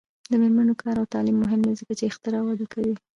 د میرمنو کار او تعلیم مهم دی ځکه چې اختراع وده کوي.